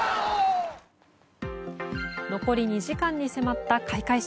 残り２時間に迫った開会式。